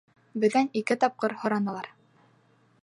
Беҙҙән ике тапҡыр һоранылар.